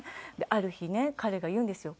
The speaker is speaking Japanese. ある日ね彼が言うんですよ。